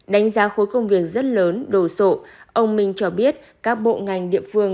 đánh giá khối công việc rất lớn đồ sộ ông minh cho biết các bộ ngành địa phương